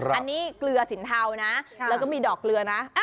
อันนี้เกลือสินเทานะแล้วก็มีดอกเกลือนะ